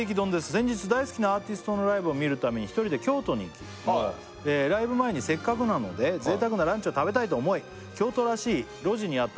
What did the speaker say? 「先日大好きなアーティストのライブを見るために１人で京都に行き」「ライブ前にせっかくなので贅沢なランチを食べたいと思い」「京都らしい路地にあった」